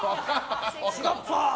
違った！